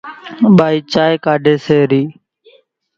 ٻائِي چائيَ ڪاڍيَ سي رئِي۔